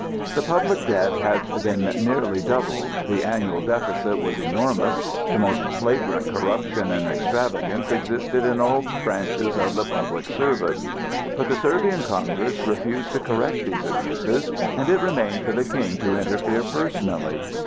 The public debt had been nearly doubled, the annual deficit was enormous, the most flagrant corruption and extravagance existed in all branches of the public service; but the Servian Congress refused to correct these abuses, and it remained for the King to interfere personally.